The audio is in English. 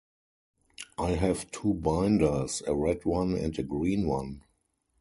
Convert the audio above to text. I have two binders, a red one and a green one.